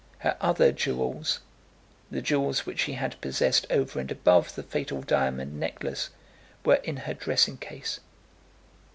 Her other jewels, the jewels which she had possessed over and above the fatal diamond necklace, were in her dressing case.